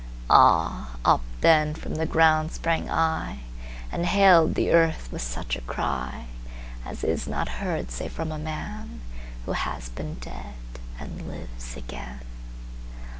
Ah! Up then from the ground sprang IAnd hailed the earth with such a cryAs is not heard save from a manWho has been dead, and lives again.